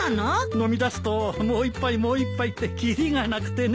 飲みだすともう一杯もう一杯って切りがなくてね。